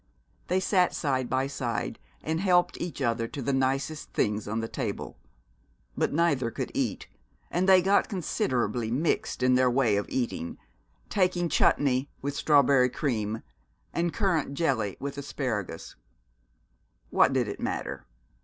They sat side by side, and helped each other to the nicest things on the table, but neither could eat, and they got considerably mixed in their way of eating, taking chutnee with strawberry cream, and currant jelly with asparagus. What did it matter?